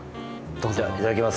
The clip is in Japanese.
じゃいただきます。